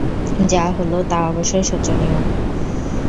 যা হলো তা অবশ্যই শোচনীয়।